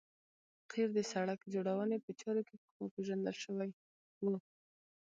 قیر د سرک جوړونې په چارو کې پخوا پیژندل شوی و